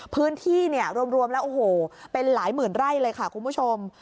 พื้นที่เนี่ยรวมแล้วโอ้โหเป็นหลายหมื่นไร่เลยค่ะคุณผู้ชม